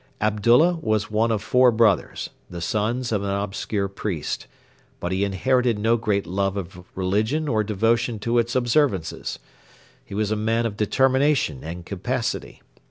Abdullah was one of four brothers, the sons of an obscure priest; but he inherited no great love of religion or devotion to its observances. He was a man of determination and capacity.